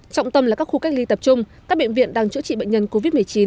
trọng tâm là các khu cách ly tập trung các bệnh viện đang chữa trị bệnh nhân covid một mươi chín